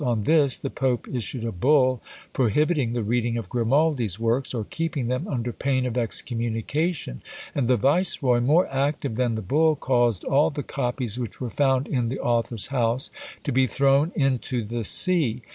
On this the Pope issued a bull prohibiting the reading of Grimaldi's works, or keeping them, under pain of excommunication; and the viceroy, more active than the bull, caused all the copies which were found in the author's house to be thrown into the sea!